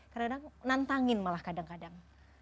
kadang kadang nantangin malah kadang kadang